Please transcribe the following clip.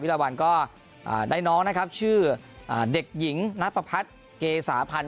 วิราวันก็อ่าได้น้องนะครับชื่ออ่าเด็กหญิงนับพระพัดเกษาพันธุ์